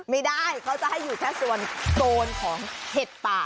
ไม่ได้เขาจะให้อยู่แค่ส่วนโซนของเห็ดป่า